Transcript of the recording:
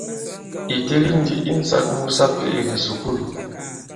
Ì teli ndi insāk mu sapì i kìsùkulù.